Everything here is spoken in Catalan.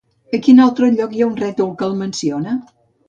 A quin altre lloc hi ha un rètol que el menciona?